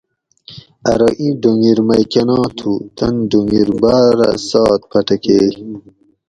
ارو ایں ڈُھونگیر مئی کۤناں تُھو؟ تن ڈُھونگیر باۤرہ سات پھٹکیئے